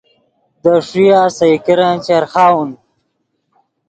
دے ݰویہ سئے کرن چرخاؤن